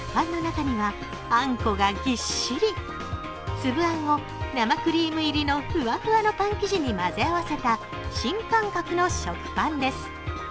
つぶあんを生クリーム入りのふわふわのパン生地に混ぜ合わせた新感覚の食パンです。